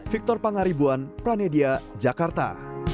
victor pangaribuan pranedia jakarta